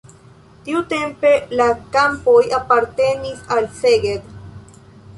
Tiutempe la kampoj apartenis al Szeged.